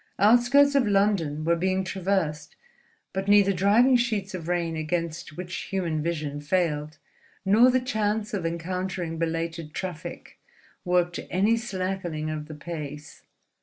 Outskirts of London were being traversed; but neither driving sheets of rain against which human vision failed, nor the chance of encountering belated traffic, worked any slackening of the pace.